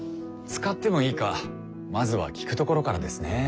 使ってもいいかまずは聞くところからですね。